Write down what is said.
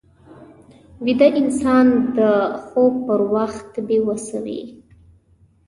ویده انسان د خوب پر وخت بې وسه وي